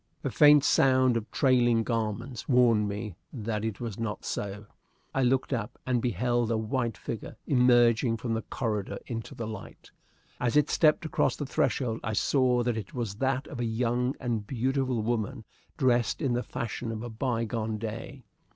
A faint sound of trailing garments warned me that it was not so. I looked up, and beheld a white figure emerging from the corridor into the light. As it stepped across the threshold I saw that it was that of a young and beautiful woman dressed in the fashion of a bygone day.